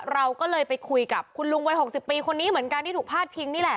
เราก็เลยไปคุยกับคุณลุงวัย๖๐ปีคนนี้เหมือนกันที่ถูกพาดพิงนี่แหละ